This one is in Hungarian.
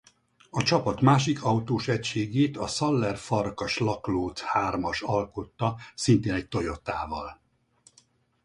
A csapat másik autós egységét a Szaller-Farkas-Laklóth hármas alkotta szintén egy Toyotával.